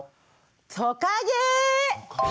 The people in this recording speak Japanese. トカゲ！